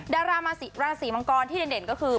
ดารามราศรีมังกรที่เด่นก็คือ